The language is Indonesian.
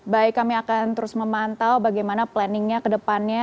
baik kami akan terus memantau bagaimana planningnya ke depannya